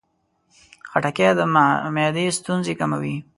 خټکی د معدې ستونزې کموي.